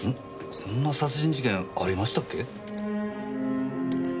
こんな殺人事件ありましたっけ？